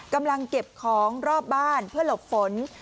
กำลังเก็บของรอบบ้านเพื่อหลบฝน